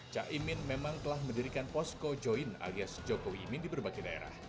caimin memang telah mendirikan posko join alias jokowi imin di berbagai daerah